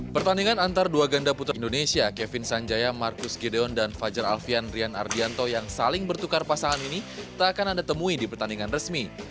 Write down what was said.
pertandingan antara dua ganda putra indonesia kevin sanjaya marcus gideon dan fajar alfian rian ardianto yang saling bertukar pasangan ini tak akan anda temui di pertandingan resmi